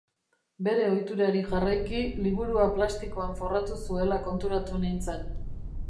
Bere ohiturari jarraiki, liburua plastikoan forratu zuela konturatu nintzen.